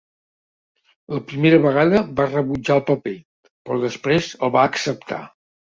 La primera vegada va rebutjar el paper, però després el va acceptar.